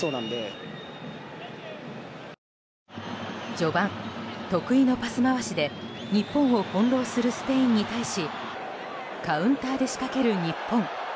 序盤、得意のパス回しで日本を翻弄するスペインに対しカウンターで仕掛ける日本。